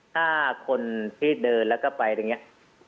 ถ้าคนที่เดินแล้วก็ไปอย่างเงี้ย